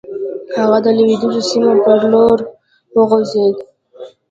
هغه د لويديځو سيمو پر لور وخوځېد.